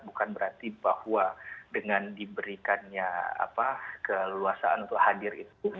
bukan berarti bahwa dengan diberikannya keleluasaan untuk hadir itu